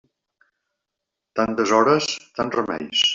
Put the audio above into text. Tantes hores, tants remeis.